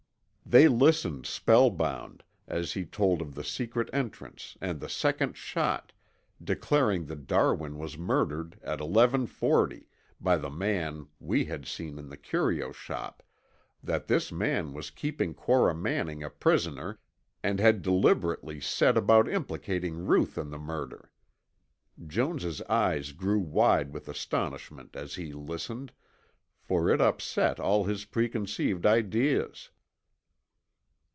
They listened spellbound, as he told of the secret entrance and the second shot, declaring that Darwin was murdered at eleven forty by the man we had seen in the curio shop, that this man was keeping Cora Manning a prisoner, and had deliberately set about implicating Ruth in the murder. Jones' eyes grew wide with astonishment as he listened, for it upset all his preconceived ideas.